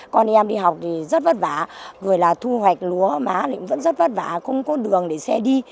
con em đi học thì rất vất vả rồi là thu hoạch lúa má vẫn rất vất vả không có đường để xe đi